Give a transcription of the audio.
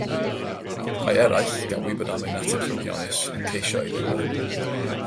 Mae eraill, gan wybod am ei natur ddrygionus, yn ceisio ei ddifa.